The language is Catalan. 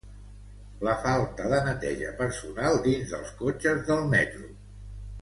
La falta de neteja personal dins dels cotxes del metro.